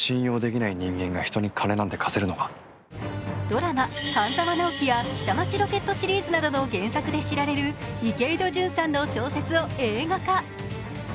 ドラマ「半沢直樹」や「下町ロケット」シリーズなどの原作で知られる池井戸潤さんの小説を映画化。